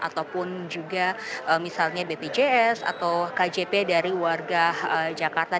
ataupun juga misalnya bpjs atau kjp dari warga jakarta